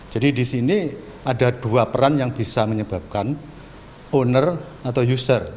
jadi di sini ada dua peran yang bisa menyebabkan owner atau user